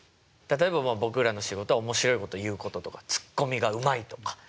例えばまあ僕らの仕事は面白いこと言うこととかツッコミがうまいとか。